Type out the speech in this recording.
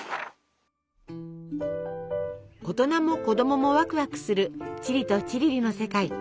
大人も子供もワクワクするチリとチリリの世界。